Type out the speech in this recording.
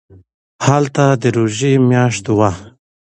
هلته د روژې میاشت وه.